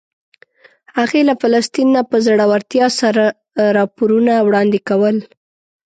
هغې له فلسطین نه په زړورتیا سره راپورونه وړاندې کول.